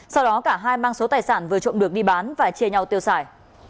sau đó cả hai mang số tài sản vừa trộm được đi bán và chia nhau tiêu xài